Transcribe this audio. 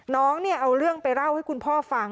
น้องเนี่ยเอาเรื่องไปเล่าให้คุณพ่อฟัง